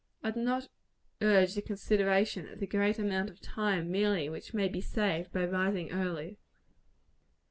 I do not urge the consideration of the great amount of time, merely, which may be saved by rising early.